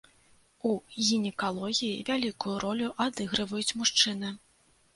У гінекалогіі вялікую ролю адыгрываюць мужчыны.